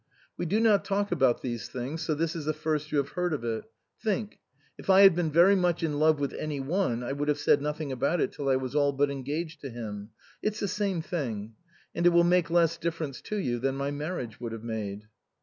We do not talk about these things, so this is the first you have heard of it. Think if I had been very much in love with any one I would have said nothing about it till I was all but engaged to him. It's the same thing. And it will make less difference to you than my marriage would have made."